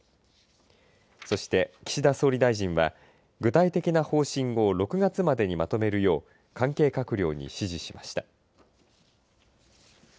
そして岸田総理大臣は具体的な方針を６月までにまとめるよう関係閣僚に指示しました。